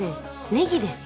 ネギです